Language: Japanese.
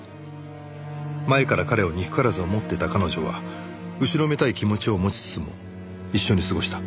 前から彼を憎からず思っていた彼女は後ろめたい気持ちを持ちつつも一緒に過ごした。